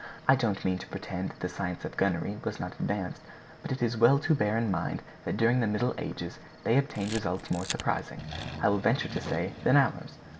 I don't mean to pretend that the science of gunnery has not advanced, but it is as well to bear in mind that during the middle ages they obtained results more surprising, I will venture to say, than ours.